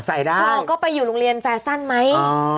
ใส่ได้พอก็ไปอยู่โรงเรียนแฟชั่นไหมอ๋อ